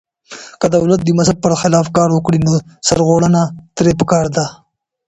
که دولت د مذهب پر خلاف کار وکړي نو سرغړونه ترې پکار ده.